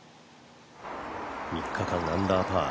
３日間、アンダーパー。